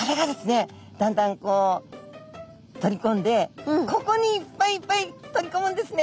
だんだんこう取りこんでここにいっぱいいっぱい取りこむんですね。